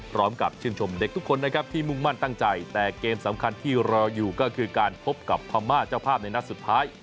พร้อมกับชื่นชมเด็กทุกคนนะครับที่มุ่งมั่นตั้งใจแต่เกมสำคัญที่รออยู่ก็คือการพบกับพม่าเจ้าภาพในนัดสุดท้าย